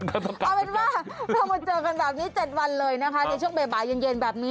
เอาเป็นว่าเรามาเจอกันแบบนี้๗วันเลยนะคะในช่วงบ่ายเย็นแบบนี้